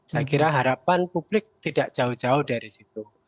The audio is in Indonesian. saya kira harapan publik tidak jauh jauh dari situ